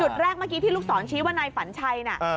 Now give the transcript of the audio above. จุดแรกเมื่อกี้ที่ลูกสอนชี้ว่าในฝันชัยน่ะ